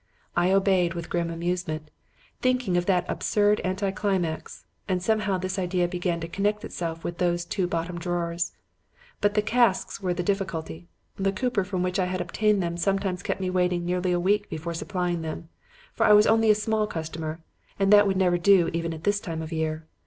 I obeyed with grim amusement, thinking of that absurd anticlimax; and somehow this idea began to connect itself with those two bottom drawers. But the casks were the difficulty. The cooper from whom I had obtained them sometimes kept me waiting nearly a week before supplying them for I was only a small customer; and that would never do even at this time of year.